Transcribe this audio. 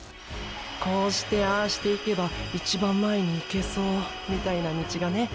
こうしてああしていけば一番前にいけそうみたいな道がね